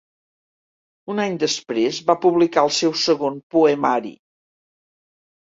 Un any després va publicar el seu segon poemari.